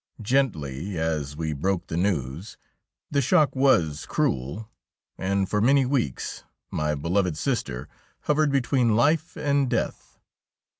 Gently as we broke the news, the shock was cruel, and for many weeks my beloved sister hovered between life and death.